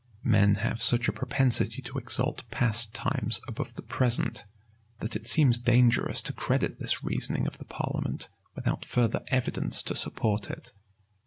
Men have such a propensity to exalt past times above the present, that it seems dangerous to credit this reasoning of the parliament without further evidence to support it.